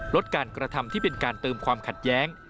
ลดการกระทำที่เป็นการเติมความขัดแย้ง